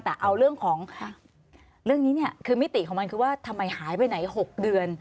แต่เอาเรื่องของเรื่องนี้เนี่ยคือมิติของมันคือว่าทำไมหายไปไหน๖เดือน